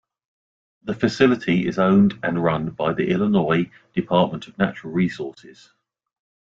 The facility is owned and run by the Illinois Department of Natural Resources.